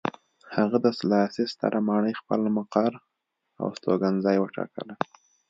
هغه د سلاسي ستره ماڼۍ خپل مقر او استوګنځی وټاکله.